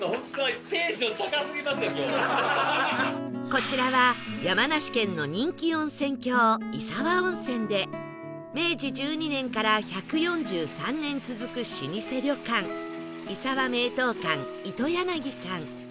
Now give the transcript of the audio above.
こちらは山梨県の人気温泉郷石和温泉で明治１２年から１４３年続く老舗旅館石和名湯館糸柳さん